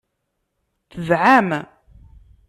Tedɛam.